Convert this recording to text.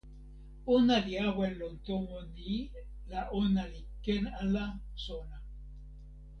ona li awen lon tomo ni la ona li ken ala sona.